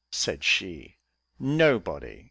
said she; "nobody.